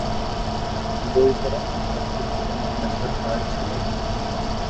বইপড়া আর সবকিছু জানার নেশা কার ছিল?